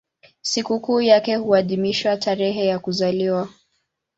Sikukuu yake huadhimishwa tarehe yake ya kuzaliwa.